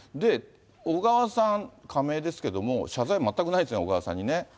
小川さん、仮名ですけれども、謝罪、全くないんですね、小川さんにね。